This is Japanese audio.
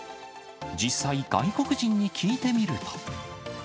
実際、外国人に聞いてみると。